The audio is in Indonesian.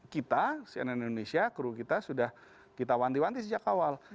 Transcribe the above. kita cnn indonesia kru kita sudah kita wanti wanti sejak awal